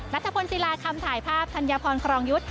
นัทพลศิลาคำถ่ายภาพธัญพรครองยุทธ์